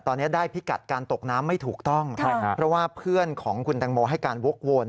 ตอนนี้ได้พิกัดการตกน้ำไม่ถูกต้องเพราะว่าเพื่อนของคุณแตงโมให้การวกวน